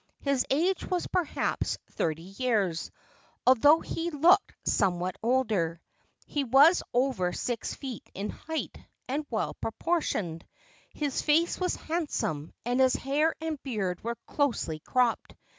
His age was perhaps thirty years, although he looked somewhat older. He was over six feet in height, and well proportioned. His face was handsome, and his hair and beard were closely cropped.